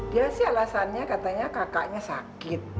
dia sih alasannya katanya kakaknya sakit